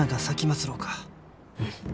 うん。